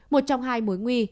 một trong hai mối nguy